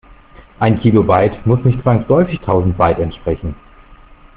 Ein Kilobyte muss nicht zwangsläufig tausend Byte entsprechen.